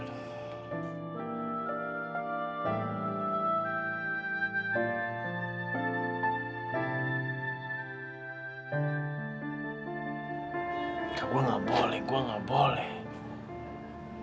enggak gue nggak boleh gue nggak boleh